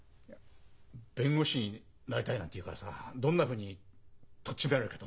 「弁護士になりたい」なんて言うからさどんなふうにとっちめられるかと思って。